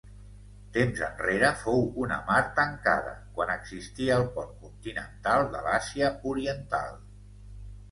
Temps enrere fou una mar tancada, quan existia el pont continental de l'Àsia Oriental.